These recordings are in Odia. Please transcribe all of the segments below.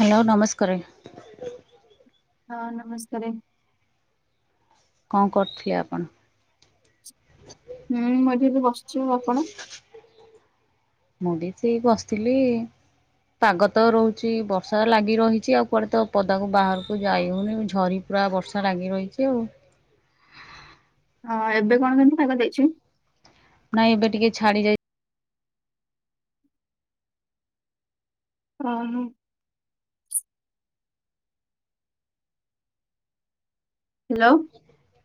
ହାଲୋ ନମସ୍କାର। ହଁ ନମସ୍କାର। କଣ କରୁଥିଲେ ଆପଣ? ହୁଁ ମୁଁ ଏଠିି ଏବେ ବସଚି ଆଉ ଆପଣ? ମୁଁ ବି ସେଇ ବସିଥିଲି। ପାଗ ତ ରହୁଚି ବର୍ଷା ଲାଗିରହିଚି ଆଉ କୁଆଡେ ତ ପଦାକୁ ବାହାରୁକୁ ଯାଇହଉନି ଝରି ପୁରା ବର୍ଷା ଲାଗିରହିଚି ଆଉ। ହଁ ଏବେ କଣ କେମିତି ପାଗ ଦେଇଛି? ନାଇଁ ଏବେ ଟିକେ ଛାଡିଯାଇ ଉଁ ହୁଁ। ହେଲୋ।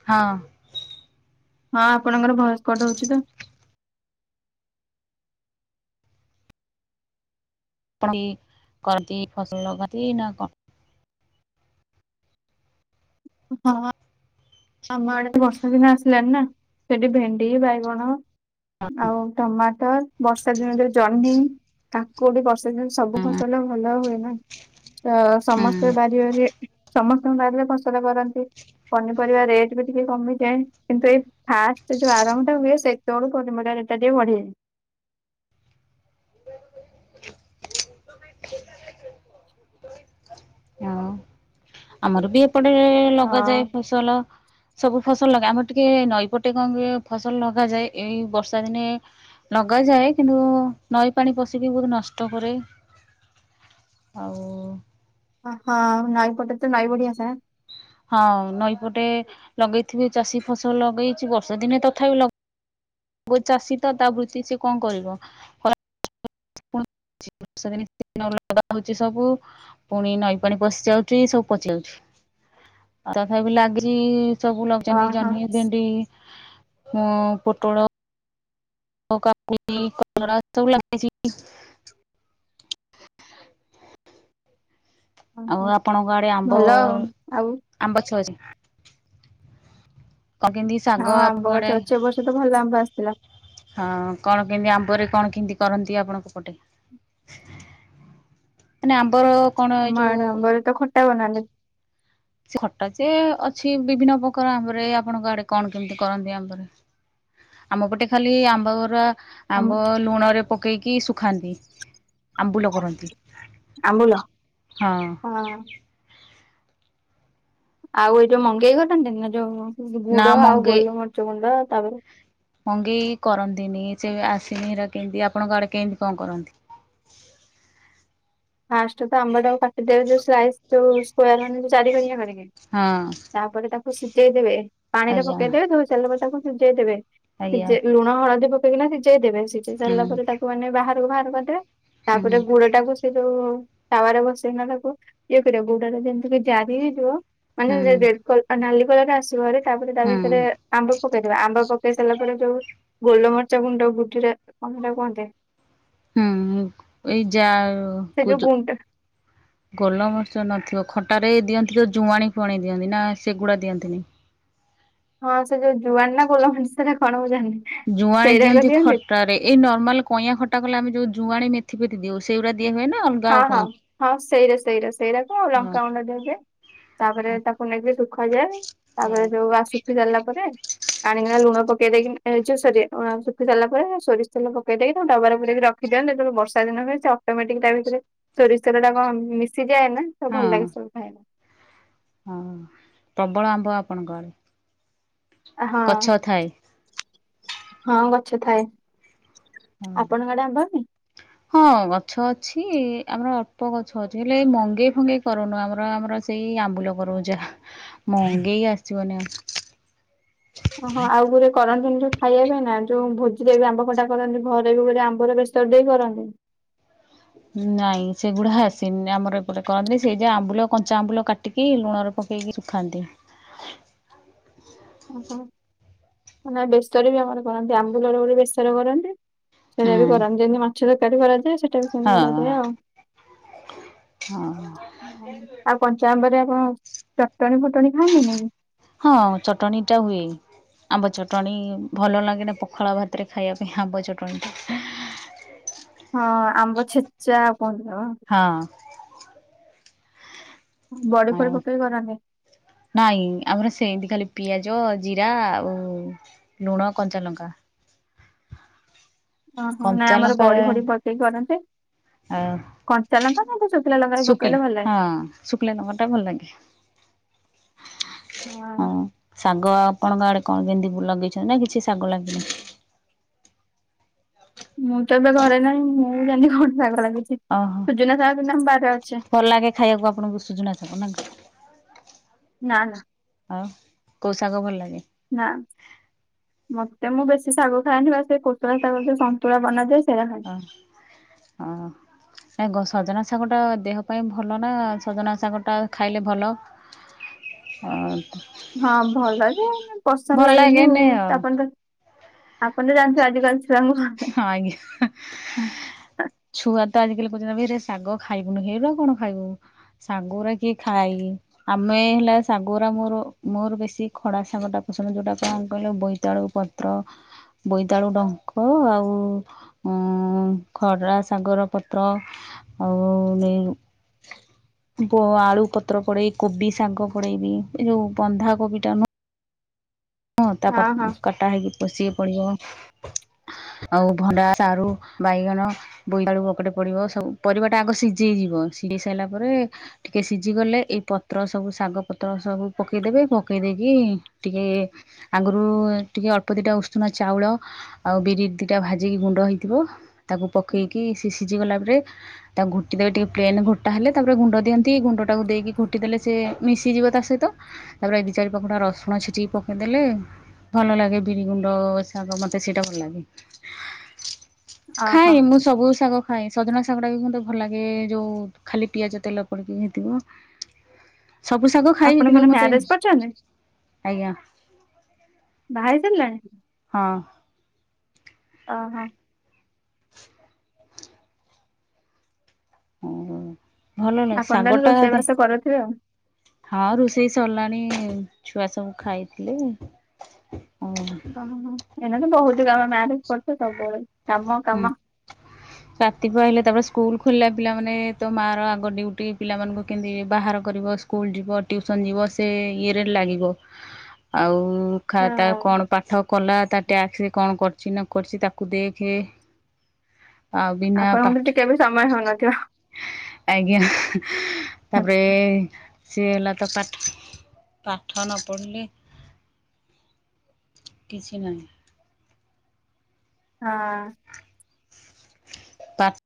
ହଁ। ହଁ ଆପଣଙ୍କର ଭଏସେ କଟ୍ ହଉଚି ତ। ପଣ୍ଡି କରନ୍ତି ଫସଲ ଲଗାନ୍ତି ନା କଣ? [inaudible] ଆମଆଡେ ତ ବର୍ଷାଦିନ ଆସିଲାଣି ନା ସେଠି ଭେଣ୍ଡି ବାଇଗଣ ଆଉ ଟମାଟର ବର୍ଷା ଦିନରେ ଯୋଉ ଜହ୍ନି କା କୋଉଠି ବର୍ଷାଦିନରେ ସବୁ ହୁଁ ଫସଲ ଭଲ ହୁଏ ନା ତ ସମସ୍ତେ ହୁଁ ବା ରିରେ ସମସ୍ତଙ୍କ ବାରିରେ ଫସଲ କରନ୍ତି ପନି ପରିବା ରେଟ୍ ବି ଟିକେ କମିଯାଏ। କିନ୍ତୁ ଏଇ ଫାଷ୍ଟେ ଯୋଉ ଆରମ୍ଭଟା ହୁଏ ସେତୋବଳୁକୁ ପନିପରିଵା ରେଟେ ଟା ଟିକେ ବଢିଯାଏ। ଆଉ ଆମର ବି ଏପଟେ ଲଗାଯାଏ ହଁ ଫସଲ। ସବୁଫସଲ ଲଗା ଆମର ଟିକେ ନଈପଟେ କଣ କହିଲ ଫସଲ ଲଗାଯାଏ। ଏଇ ବର୍ଷାଦିନେ ନଗାଯାଏ କିନ୍ତୁ ନଈପାଣି ପଶିକି ଗୁରେ ନଷ୍ଟ କରେ। ଆଉ। ଅହ ନଈପଟେ ତ ନଈବଢୀ ଆସେ ଆଁ। ହଁ ନଈପଟେ ଲଗେଇଥିବେ ଚାଷୀ ଫସଲ ଲଗେଇଚି ବର୍ଷା ଦିନେ ତଥାପି ଲ ବୋହୁତୁ ଚାଷୀ ତ ତା ବୃତ୍ତି ସେ କଣ କରିବ ଖରା ଚି ବର୍ଷାଦିନେ [inaudible] ଲଗା ହଉଚି ସବୁ। ପୁଣି ନଈପାଣି ପଶିଯାଉଚି ସବୁ ପଚିଯାଉଚି ଆ ତଥାପି ଲାଗିନି। ସବୁ ଲଗିଚନ୍ତି ଓହୋ। ଜହ୍ନି ଭେଣ୍ଡି ଓ ପୋଟଳ। ଆଉ କାକୁଡି କଲରା ସବୁ ଲାଗିଚି। ଆଉ ଓହୋ ଆପଣଙ୍କ ଆଡେ ଆମ୍ବ ଭଲ ଆଉ ଆଉ ଆମ୍ବଗଛ ଅଛି? [unintelligible] ହଁ ଆପଣଙ୍କ ଆଡେ ଆମ୍ବଗଛ ଅଛି ଏବର୍ଷ ତ ଭଲ ଆମ୍ବ ଆସିଥିଲା। ହଁ କଣ କେମିତି ଆମ୍ବରେ କଣ କିମିତି କରନ୍ତି ଆପଣଙ୍କ ପଟେ? ମାନେ ଆମ୍ବର କଣ ଏଇ ଆମଆଡେ ଯୋଉ ଆମ୍ବରେ ତ ଖଟା ବନାନ୍ତି। ସେ ଖଟା ଯେ ଅଛି ବିଭିନ୍ନ ପ୍ରକାର ଆମ୍ବରେ ଆପଣଙ୍କ ଆଡେ କଣ କିମିତି କରନ୍ତି ଆମ୍ବରେ? ଆମପଟେ ଖାଲି ଆମ୍ବଗୁରା ଆମ୍ବ ଲୁଣରେ ପକେଇକି ଶୁଖାନ୍ତି ଆମ୍ବୁଲ କରନ୍ତି। ଆମ୍ବୁଲ ହଁ। ଆଉ ଏଇ ଯୋଉ ମଙ୍ଗେଇ କରନ୍ତିନି ନା ଯୋଉ ନା ଗୁଡ ଆଉ ମଙ୍ଗେଇ ଗୋଲମରିଚ ଗୁଣ୍ଡ ତାପରେ ମଙ୍ଗେଇ କରନ୍ତିନି ସେ ଆସିନି ଏରାକେନ୍ତି ଆପଣଙ୍କ ଆଡେ କେମିତି କଣ କରନ୍ତି? ଫାଷ୍ଟେ ତ ଆମ୍ବଟାକୁ କାଟିଦେବେ ଯୋଉ ସ୍ଲାଇସ୍ ଯୋଉ ସ୍କୋୟାର ମାନେ ଯୋଉ ଚାରିକଣିଆ କରିକି। ହଁ। ତାପରେ ତାକୁ ସିଜେଇ ଦେବେ ପାଣିରେ ଆଜ୍ଞା ପକେଇଦେବେ ଧୋଇ ସାରିଲା ପରେ ତାକୁ ସିଜେଇ ଦେବେ ଆଜ୍ଞା ସିଜେଇ ଲୁ ଲୁଣ ହଳଦୀ ପକେଇକିନା ସିଜେଇ ଦେବେ ସିଜେଇ ସାରିଲା ହୁଁ ପରେ ତାକୁ ମାନେ ବାହାରୁକୁ ବାହାର କରିଦେବେ ହୁଁ। ତାପରେ ଗୁଡଟାକୁ ସେ ଯୋଉ ତାୱାରେ ବସେଇକିନା ତାକୁ ଇଏ କରିବା ଗୁଡରେ ଯେମିତିକି ଜାରି ହେଇଯିବ। ମାନେ ରେ ହୁଁ ଯେ କଲ ନାଲି କଲରଟା ଆସିବଭାରି ତାପରେ ତା ହୁଁ ଭିତେରେ। ଆମ୍ବ ପକେଇଦବା ଆମ୍ବ ପକେଇ ସାରିଲା ପରେ ଯୋଉ ଗୋଲମରିଚ ଗୁଣ୍ଡ ଗୁଜୁରା କଣ ହେଟାକୁ କୁହନ୍ତି। ହୁଁ ଏଇ ଯାର ସେ ଯୋଉ କୁଜୁ। ଗୁଣ୍ଡ ଗୋଲମରିଚ ନଥିବ ଖଟାରେ ଦିଅନ୍ତି ତ ଜୁଆଣି ଫୁଆଣି ଦିଅନ୍ତି ନା ସେଗୁଡା ଦିଅନ୍ତିନି। ହଁ ସେ ଯୋଉ ଜୁଆଣି ନାଁ କୋଲମରିଚ ସେଟା କଣ ମୁଁ ଜାଣିନି ଜୁଆଣି ଦିଅନ୍ତି ଖଟାରେ ରେ ଏ ନର୍ମାଲ କଇଁଆ ଖଟା କଲେ ଆମେ ଯୋଉ ଜୁଆଣି ମେଥିପେଥି ଦିଅଉ ସେଉରା ଦିଆ ହୁଏ ନାଁ ଅ ହଁ ହଁ ହଁ ସେଇରା ସେଇରା ସେଇଟାକୁ ଆଉ ହଁ ଲଙ୍କା ଗୁଣ୍ଡ ଦିଆଯାଏ। ତାପରେ ତାକୁ ନେଇକି ଶୁଖାଯାଏ ତାପରେ ହଁ। ଯୋଉ ଆଉ ଶୁଖି ସାରିଲା ପରେ ଆଣିକିନା ଲୁଣ ପକେଇ ଦେଇକି ଏ ଯୋଉ ସରି ଶୁଖି ସାରିଲା ପରେ ସୋରିଷତେଲ ପକେଇ ଦେଇକି ଡବାରେ ପୁରେଇ ରଖି ଦିଅନ୍ତି ଯେତେବେଳେ ବର୍ଷା ଦିନ ହୁଏ ସେ ଅଟୋମଟିକ୍ ତା ଭିତ ରେ ସୋରିଷତେଲ ଟା କଣ ମିଶିଯାଏ ନାଁ ହଁ ଭଲ ଲାଗେ ସବୁ ଖାଇବାକୁ ହଁ ପ୍ରବଳ ଆମ୍ବ ଆପଣଙ୍କ ଆଡେ ହଁ ଗଛ ଥାଏ। ହଁ ଗଛ ଥାଏ। ଆପଣ ଆଡେ ଆମ୍ବ ହଉନି? [inaudible] ହଁ ଗଛ ଅଛି ଆମର ଅଳ୍ପ ଗଛ ଅଛି ହେଲେ ମଙ୍ଗେଇ ଫଙ୍ଗେଇ କରୁନୁ ଆମର ଆମର ସେଇ ଆମ୍ବୁଲ କରୁ ଯାହା ମଙ୍ଗେଇ ଆସିବନି ଆଉ ହଁ ହଁ ଆଉ ଗୋଟେ କରନ୍ତିନି ଯୋଉ ଖାଇବା ପାଇଁ ନା ଯୋଉ ଭୋଜିରେ ବି ଆମ୍ବ ଖଟା କରନ୍ତି ଘରେ ବି ଗୋଟେ ଆମ୍ବର ବେଷ ର ଟେ କରନ୍ତି। ନାଇଁ ସେଗୁଡା ଆସିନି ଆମର ଏପଟେ କରନ୍ତିନି ସେ ଯେ ଆମ୍ବୁଲ କଞ୍ଚାଆମ୍ବୁଲ କାଟି କି ଲୁଣରେ ପକେଇକି ସୁଖାନ୍ତି। ଓହୋ ମାନେ ବେସର ବି ଆମର କରନ୍ତି ଆମ୍ବୁଲର ଗୋଟେ ବେସର କରନ୍ତି। ସେଇଟା ହୁଁ ବି କରନ୍ତି ଯେମିତି ମାଛ ତରକାରୀ କରାଯାଏ ସେଇଟା ବି ସେମିତି କରାଯାଏ ହଁ ଆଉ ହଁ ଆଉ କଞ୍ଚାଆମ୍ବରେ ଆପଣ ଚଟଣୀ ଫଟଣୀ ଖାଆନ୍ତି ନି କି? ହଁ ଚଟଣି ଟା ହୁଏ। ଆମ୍ବ ଚଟଣି ଭଲ ଲାଗେନା ପଖାଳ ଭାତରେ ଖାଇବା ପାଇଁ ଆମ୍ବ ଚଟଣିଟା [inaudible] ହଁ ଆମ୍ବ ଛେଚା କୁହନ୍ତି ନା କଣ? ହଁ ବଡି ଆଉ ଫଡି ପକେଇ କରନ୍ତି। ନାଇଁ ଆମର ସେମିତି ଖାଲି ପିଆଜ ଜିରା ଆଉ ଲୁଣ, କଞ୍ଚାଲଙ୍କା ହଁ ହଁ ନାଇଁ ଆମର କଞ୍ଚାଲଙ୍କା ବଡି ଫଡି ପକେଇ କରନ୍ତି। ଆଉ କଞ୍ଚା ଲଙ୍କା ଆଉ ଶୁଖିଲା ଲଙ୍କା ପକେଇଲେ ଭଲ ଲାଗେ। ହଁ ଶୁଖିଲା ଲଙ୍କା ଟା ଭଲ ଲାଗେ ହଁ ଶାଗ ଆପଣଙ୍କ ଆଡେ କଣ କେମିତି ଲଗେଇଛନ୍ତି ନା କିଛି ଶାଗ ଲାଗିନି। ମୁଁ ତ ଏବେ ଘରେ ନାହିଁ ମୁଁ ଜାଣିନି କଣ ଶାଗ ଲାଗିଛି ଓହୋ ସୁଜୁନା ଶାଗ କିନ୍ତୁ ଆମ ବାରିରେ ଅଛି। ଭଲ ଲାଗେ ଖାଇବାକୁ ଆପଣଙ୍କୁ ସୁଜୁନା ଶାଗ ନା କଣ? ନାଁ ନାଁ ଆଉ କୋଉ ଶାଗ ଭଲ ଲାଗେ। ନାଁ ମତେ ମୁଁ ବେଶୀ ଶାଗ ଖାଏନି ବାସ କୋଷଳା ଶାଗ ଯଉ ସନ୍ତୁଳା ବନା ଯାଏ ସେଇଟା ଖାଏ ହଁ ହଁ ନାଇଗୋ ସଜନା ଶାଗଟା ଦେହ ପାଇଁ ଭଲ ନା ସଜନା ଶାଗଟା ଖାଇଲେ ଭଲ ହଁ ହଁ ଭଲ ଯେ କିନ୍ତୁ ପସନ୍ଦ ଲାଗେନି ଆଉ ତାପରେ ତ ଆପଣ ତ ଜାଣିଛନ୍ତି ଆଜିକାଲି ଛୁଆଙ୍କୁ ହଁ ଆଜ୍ଞା ଛୁଆ ତ ଆଜିକାଲି କହୁଛନ୍ତି ଏ ଶାଗ ଖାଇବୁନୁ ଏରା କଣ ଖାଇବୁ ଶାଗଗୁଡା କିଏ ଖାଏ କି ଆମେ ହେଲା ଶାଗର ମୋର ମୋର ବେଶୀ ଖଡା ଶାଗ ଟା ପସନ୍ଦ ଯୋଉଟା କଣ ଆମେ କହିଲ ବୋଇତାଳୁ ପତ୍ ତ୍ର ବୋଇତାଳୁ ଡଙ୍କ ଆଉ ଉଁ ଖଡରା ସାଗର ପତ୍ର ଆଉ ନେଇ ବୋ ଆଳୁ ପତ୍ର ପଡେଇ କୋବି ଶାଗ ପଡେଇବି ଏ ଯୋଉ ବନ୍ଧା କୋବି ଟା ମ ହଁ ତାପ ହଁ କଟା ହେଇକି ପୋଷ ସିଏ ପଡିବ। ଆଉ ଭଣ୍ଡା ସାରୁ ବାଇଗଣ ବୋଇତାଳୁ ବକଟେ ପଡିବ ସବୁ ପରିବାଟା ଆଗ ସିଝେଇ ଯିବ ସିଝେଇ ସାରିଲା ପରେ ଟିକେ ସିଝି ଗଲେ ଏଇ ପତ୍ର ସବୁ ଶାଗ ପତ୍ର ସବୁ ପକେଇଦେବେ ପକେଇ ଦେଇକି ଟିକେ ଆଗରୁ ଟିକେ ଅଳ୍ପ ଦିଟା ଉଷୁନା ଚାଉଳ ଆଉ ବିରି ଦିଟା ଭାଜିକି ଗୁଣ୍ଡ ହେଇଥିବ ତାକୁ ପକେଇକି ସେ ସିଜି ଗଲା ପରେ ତାକୁ ଘୋଟି ଦେବେ ଟିକେ ପ୍ରେନ ଘୋଟା ହେଲେ ତାପରେ ଗୁଣ୍ଡ ଦିଅନ୍ତି ଗୁଣ୍ଡଟା ଟାକୁ ଦେଇକି ଖୋଟି ଦେଲେ ସିଏ ମିଶିଯିବ ତା ସହିତ ତାପରେ ଏ ଦି ଚାରି ପାଖୁଡ଼ା ରସୁଣ ଛେଚିକି ପକ ପକେଇ ଦେଲେ ଭଲ ଲାଗେ ବିରି ଗୁଣ୍ଡ ଶାଗ ମୋତେ ସେଇଟା ଭଲ ଲାଗେ। ଓହୋ ଖାଏ ମୁଁ ସବୁ ଶାଗ ଖାଏ ସଜନା ଶାଗ ଟା ବି ମୋତେ ଭଲ ଲାଗେ ଯୋଉ ଖାଲି ପିଆଜ ତେଲ ପଡିକି ହେଇଥିବ। ସବୁ ଶାଗ ଖାଇବି ଆପଣ କିନ୍ତୁ କଣ ମତେ ମ୍ୟାରେଜ କରିଛନ୍ତି ଆଜ୍ଞା। ବାହାହେଇ ସାରିଲାଣି ହଁ ଅଁ ହଁ ଭଲ ଲାଗେ ଆପଣ ତାହେଲେ ସାଙ୍ଗଟା ରୋଷେଇ ଦେ ବାସ କରୁଥିବେ ଆଉ। ହଁ ରୁଷେଇ ସରିଲାଣି ଛୁଆ ସବୁ ଖାଇଥିଲି ଉଁ ଓହୋ ଏଇନା ତ ବହୁତ କାମ ଗାଁରେ [unintelligible] ସବୁବେଳେ କାମ କାମ [inaudible] ରାତି ପାହିଲେ ତାପରେ ସ୍କୁଲ ଖୋଲିଲା ପିଲାମାନେ ତ ମାଁ ର ଆଗ ଡିଉଟି ପିଲାମାନଙ୍କୁ କେମିତି ବାହାର କରିବ ସ୍କୁ ସ୍କୁଲ ଯିବ ଟ୍ଯୁଉସନ ଯିବ ସେ ଇଏରେ ଲାଗିବ। ଆଉ ଖା ତା କଣ ପାଠ କଲା ତା ଟ୍ୟାକ୍ସରେ କଣ କରିଚି ନ କରିଚି ତାକୁ ଦେଖ୍ ଖେ ଆପଣଙ୍କୁ ଟିକେ ବି ସମୟ ହଉନଥିବ। ଆଜ୍ଞା ତାପରେ ସିଏ ହେଲା ତ ପାଠ୍ ପାଠ ନ ପଢ଼ିଲେ କିଛି ନାହିଁ ହଁ ପାଟ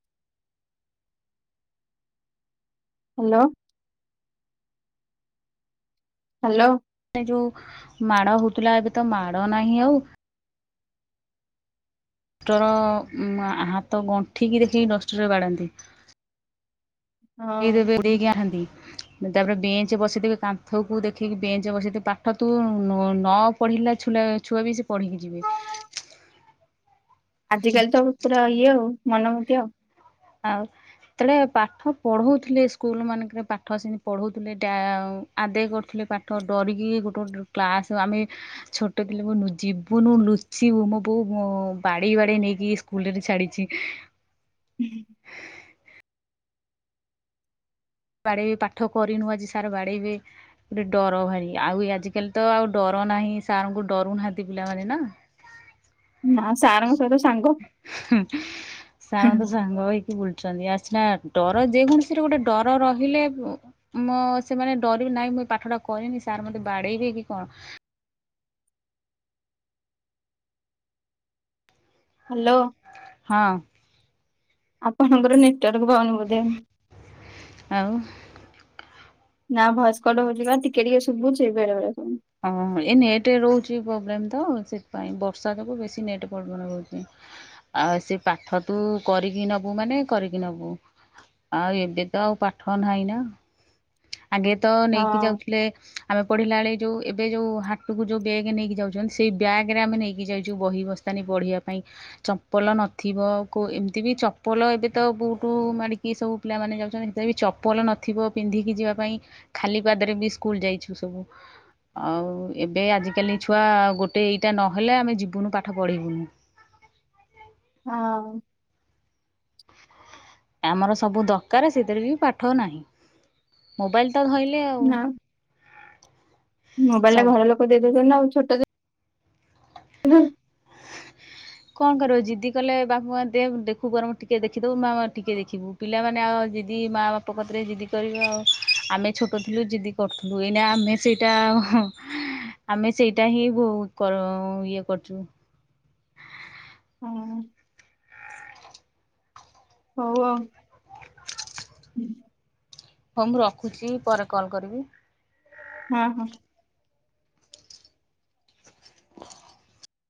ହାଲୋ ହାଲୋ ଆଗେ ଯୋଉ ମାଡ ହଉଥିଲା ଏବେ ତ ମାଡ଼ ନାହିଁ ଆଉ ତୋର ମା ହାତ ଗଣ୍ଠିକି ଦେଖିକି ଡଷ୍ଟରରେ ବାଡ଼ାନ୍ତି। ହଁ। [unintelligible] ତାପରେ ବେଞ୍ଚ ବସେଇଦିବି କାନ୍ଥକୁ ଦେଖିକି ବେଞ୍ଚରେ ବସେଇଦିବି ପାଠ ତୁ ନ ନ ପଢ଼ିଲା ଛୁଲା ଛୁଆ ବି ସେ ପଢ଼ିକି ଯିବେ। ଆଜିକାଲି ତ ପୁରା ଇଏ ଆଉ ମନ ମୁଖି ଆଉ। ଆଉ ସେତେବେଳେ ପାଠ ପଢଉଥିଲେ ସ୍କୁଲ ମାନଙ୍କରେ ପାଠ ସେମିତି ପଢଉଥିଲେ ଟା ଆଦେୟ କରୁଥିଲେ ପାଠ ଡରିକି ଗୋଟେ ଗୋଟେ କ୍ଲାସ ଆମେ ଛୋଟ ଥିଲୁ ଯିବୁନୁ ଲୁଚିବୁ ମୋ ବୋଉ ବାଡ଼େଇ ବାଡ଼େଇ ନେଇକି ସ୍କୁଲରେ ଛାଡ଼ିଛି। ହୁଁଁ ବାଡ଼େଇବେ ପାଠ କରିନୁ ଆଜି ସାର୍ ବାଡ଼େଇବେ। ଗୋଟେ ଡର ଭାରି ଆଉ ଆଜିକାଲି ତ ଆଉ ଡର ନାହିଁ ସାର୍ ଙ୍କୁ ଡରୁ ନାହାନ୍ତି ପିଲାମାନେ ନା ନା ସାରଙ୍କ ସହିତ ସାଙ୍ଗ ସାର୍ ଙ୍କୁ ସାଙ୍ଗ ହେଇକି ବୁଲୁଛନ୍ତି ଆ ସନା ଡର ଯେକୌଣସିରେ ଗୋଟେ ଡର ରହିଲେ ମୁଁ ସେମାନେ ଡରିବି ନାଇଁ ମୁଁ ପାଠ ଟା କରିନି ସାର୍ ମତେ ବାଡେଇବେ କି କଣ ହ୍ୟାଲୋ ହଁ ଆପଣଙ୍କର ନେଟୱାର୍କ ଭଉନି ବୋଧେ ଆଉ ନା ଭୟସ୍କଟ ହଉଛି ବା ଟିକେ ଟିକେ ଶୁଭୁଚି ବେଳେ ବେଳେ ହଁ ଏ ନେଟ୍ ରହୁଛି ପ୍ରୋବ୍ଲେମ୍ ତ ସେଥିପାଇଁ ବର୍ଷା ଯୋଗୁ ବେଶୀ ନେଟ୍ ପ୍ରବଲେମ ରହୁଛି। ଆଉ ସେ ପାଠ ତୁ କରିକି ନବୁ ମାନେ କରିକି ନବୁ। ଆଉ ଏବେ ତ ଆଉ ପାଠ ନାହିଁ ନା। ଆଗେ ତ ନେଇକି ହଁ ଯାଉଥିଲେ ଆମେ ପଢ଼ିଲା ବେଳେ ଯୋଉ ଏବେ ଯୋଉ ହାଟକୁ ଯୋଉ ବେଗ ନେଇକି ଯାଉଛନ୍ତି ସେ ବ୍ୟାଗରେ ଆମେ ନେଇକି ଯାଇଛୁ ବହି ବସ୍ତାନି ବଢ଼ିବା ପାଇଁ। ଚପଲ ନଥିବ ଏମିତି ବି ଚପଲ ଏବେ ତ ବହୁଠୁ ମାଡ଼ିକି ସବୁ ପିଲାମାନେ ଯାଉଛନ୍ତି। ସେହି ଚପଲ ନଥିବ ପିଲାମାନେ ଯିବା ପାଇଁ ଖାଲି ପାଦରେ ବି ସ୍କୁଲ ଯାଇଛୁ ସବୁ। ଆଉ ଏବେ ଆଜିକାଲି ଛୁଆ ଗୋଟେ ଏଇଟା ନହେଲେ ଆମେ ଯିବୁନୁ ପାଠ ପଢ଼ିବୁନୁ। ହଁ ଆମର ସବୁ ଦରକାର ସେଥିରେ ବି ପାଠ ନାହିଁ। ମୋବାଇଲ ତ ଧଇଲେ ନା ମୋବାଇଲ ସବୁ ଟା ଘର ଲୋକ ଦେଇଦଉଛନ୍ତି ନା [unintelligible] ଛୋଟରେ କଣ କରିବ ଜିଦି କଲେ ବାପ ମା ଦେଖୁ ବରଂ ଟିକେ ଦେଖିଦଉ ମାମା ଟିକେ ଦେଖିବୁ। ପିଲାମାନେ ଆଉ ଦିଦି ମାଆ ବାପ କତିରେ ଯିଦି କରିବ ଆମେ ଛୋଟ ଥିଲୁ ଜିଦି କରୁଥିଲୁ, ଏଇନା ଆମେ ସେଇଟା ଆଉ ଆମେ ସେଇଟା ହିଁ [unintelligible] କରିବୁ। ହଁ ଇଏ କରୁଛୁ। ହଁ ହଉ ଆଉ। ହଉ ମୁଁ ରଖୁଛି ପରେ କଲ୍ କରିବି। ହଁ ହଁ ହ